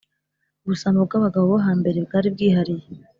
Ubusambo bw’abagabo bo hambere bwaribwihariye